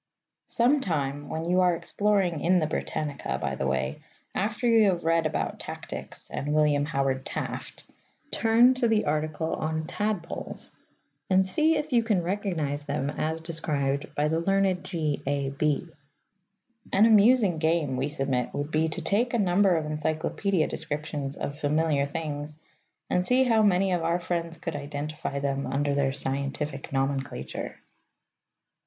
Some time when you are exploring in the Britannica, by the way, after you have read about Tactics and William Howard Taft, turn to the article on Tadpoles and see if you can recognize them as described by the learned G.A.B. An amusing game, we submit, would be to take a number of encyclopædia descriptions of familiar things, and see how many of our friends could identify them under their scientific nomenclature.